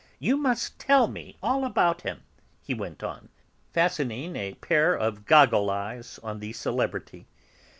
"You must tell me all about him"; he went on, fastening a pair of goggle eyes on the celebrity.